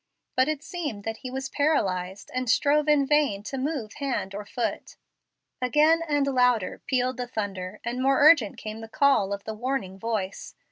But it seemed that he was paralyzed, and strove in vain to move hand or foot. Again and louder pealed the thunder, and more urgent came the call of the warning voice.